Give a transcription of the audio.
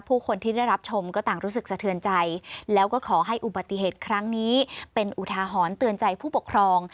ผู้คนที่ได้รับชมก็ต่างรู้สึกสะเทือนใจแล้วก็ขอให้อุบัติเหตุครั้งนี้เป็นอุทาหรณ์เตือนใจผู้ปกครอง